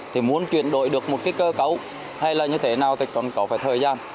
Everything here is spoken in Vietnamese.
thì muốn chuyển đổi được một cái cơ cấu hay là như thế nào thì còn có phải thời gian